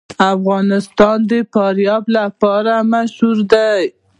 افغانستان د فاریاب لپاره مشهور دی.